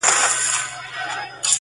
د خدای د عرش قهر د دواړو جهانونو زهر-